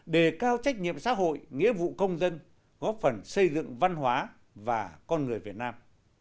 đề cao trách nhiệm xã hội nghĩa vụ công dân góp phần xây dựng văn hóa và con người việt nam